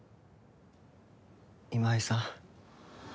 今井さん？